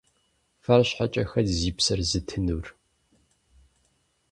Фэр щхьэкӀэ хэт зи псэр зытынур?